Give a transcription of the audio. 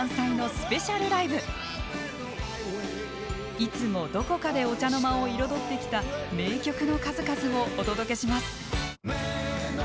いつもどこかでお茶の間を彩ってきた名曲の数々をお届けします。